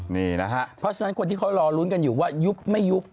นี่นะฮะเพราะฉะนั้นคนที่เขารอลุ้นกันอยู่ว่ายุบไม่ยุบ